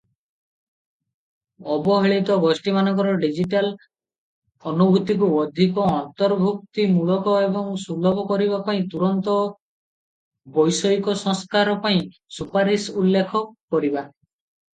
ଅବହେଳିତ ଗୋଷ୍ଠୀମାନଙ୍କର ଡିଜିଟାଲ ଅନୁଭୂତିକୁ ଅଧିକ ଅନ୍ତର୍ଭୁକ୍ତିମୂଳକ ଏବଂ ସୁଲଭ କରିବା ପାଇଁ ତୁରନ୍ତ ବୈଷୟିକ ସଂସ୍କାର ପାଇଁ ସୁପାରିସ ଉଲ୍ଲେଖ କରିବା ।